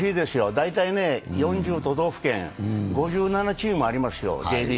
大体４０都道府県、Ｊリーグは５７チームありますよ。